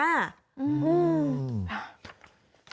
อื้อหืออื้อหือ